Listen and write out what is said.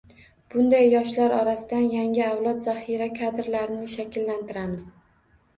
Bunday yoshlar orasidan yangi avlod zaxira kadrlarini shakllantiramiz.